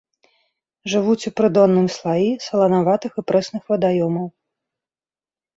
Жывуць у прыдонным слаі саланаватых і прэсных вадаёмаў.